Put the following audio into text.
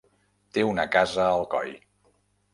Té una casa a Alcoi.